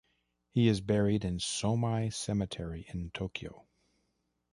He is buried in Somei cemetery in Tokyo.